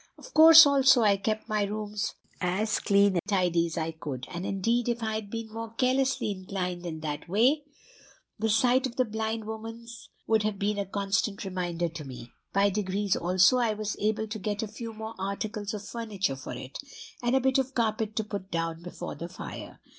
"Of course also I kept my rooms as clean and tidy as I could; and indeed, if I had been more carelessly inclined in that way, the sight of the blind woman's would have been a constant reminder to me. By degrees also I was able to get a few more articles of furniture for it, and a bit of carpet to put down before the fire.